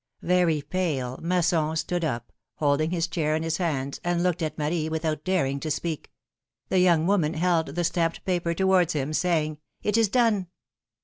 Very pale, Masson stood up, holding his chair in his hands, and looked at Marie, without daring to speak ; the young woman held the stamped paper towards him, saying. It is done."